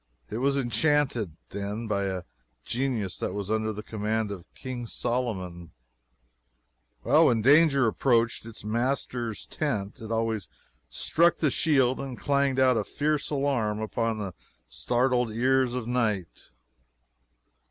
It was enchanted, then, by a genius that was under the command of King Solomon. When danger approached its master's tent it always struck the shield and clanged out a fierce alarm upon the startled ear of night.